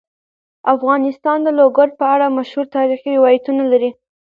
افغانستان د لوگر په اړه مشهور تاریخی روایتونه لري.